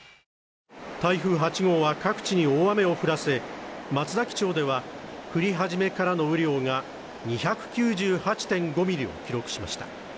台風８号は各地に大雨を降らせ、松崎町では降り始めからの雨量が２９８．５ミリを記録しました。